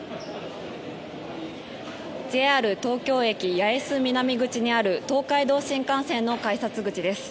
ＪＲ東京駅八重洲南口にある東海道新幹線の改札口です。